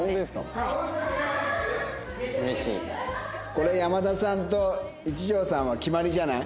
これ山田さんと一条さんは決まりじゃない？